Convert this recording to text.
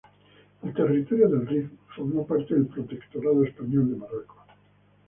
El territorio del Rif, formó parte del protectorado español de Marruecos.